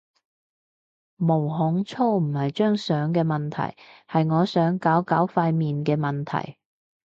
毛孔粗唔係張相嘅問題，係我想搞搞塊面嘅問題